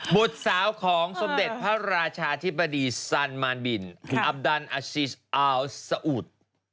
บุตรสาวของสมเด็จพระราชาธิบดีซันมานบินอับดันอาชิสอัลสะอุด